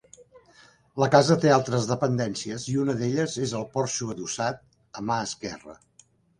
La casa té altres dependències i una d’elles és el porxo adossat, a mà esquerra.